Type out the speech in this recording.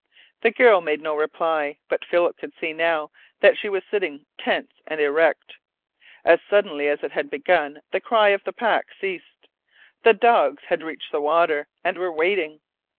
The girl made no reply, but Philip could see now that she was sitting tense and erect. As suddenly as it had begun the cry of the pack ceased. The dogs had reached the water, and were waiting.